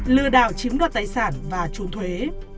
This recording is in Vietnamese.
lừa đảo chiếm đoạt tài sản và trù thuế